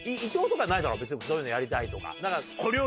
別にどういうのやりたいとか。